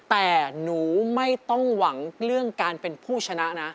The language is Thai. แต่หนูไม่ต้องหวังเรื่องการเป็นผู้ชนะนะ